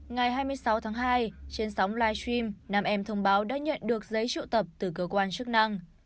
ngày hai mươi sáu tháng hai trên sóng live stream nam em thông báo đã nhận được giấy triệu tập từ cơ quan chức năng